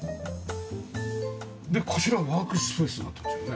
でこちらワークスペースになってますよね。